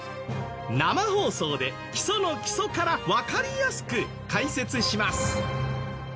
生放送で基礎の基礎から分かりやすく解説します。